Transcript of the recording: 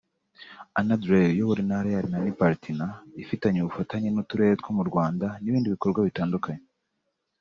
Anna Dreyer uyobora Intara ya Rhénanie-Palatinat ifitanye ubufatanye n’uturere two mu Rwanda n’ibindi bikorwa bitandukanye